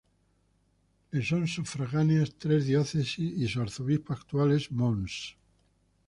Le son sufragáneas tres diócesis y su arzobispo actual es Mons.